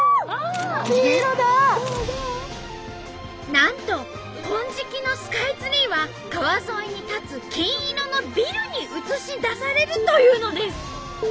なんと金色のスカイツリーは川沿いに立つ金色のビルに映し出されるというのです。